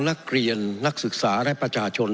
นักเรียนนักศึกษาและประชาชน